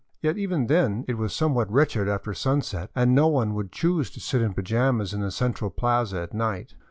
Yet even then it was somewhat wretched after sunset, and no one would choose to sit in pajamas in the central plaza at night.